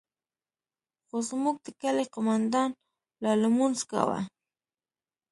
خو زموږ د كلي قومندان لا لمونځ كاوه.